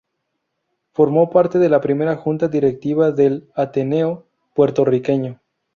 Formó parte de la primera Junta Directiva del Ateneo Puertorriqueño.